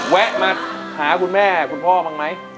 แวะมาหาคุณแม่คุณพ่อบ้างไหม